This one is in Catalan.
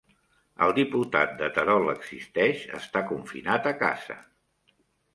El diputat de Terol Existeix està confinat a casa